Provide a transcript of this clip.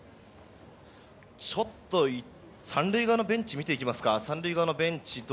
ちょっと３塁側のベンチを見ていきますか。